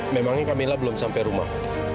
memangnya kamilah belum sampai rumah